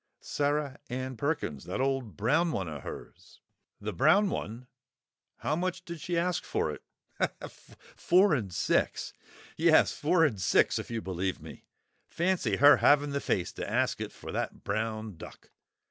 "Sarah Ann Perkins—that old brown one of hers." "The brown one! How much did she ask for it?" "Four and six." (An audible chuckle.) "Yes, four and six, if you believe me! Fancy her having the face to ask it for that brown duck!